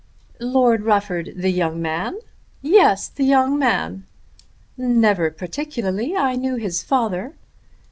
"Lord Rufford; the young man?" "Yes; the young man." "Never particularly. I knew his father."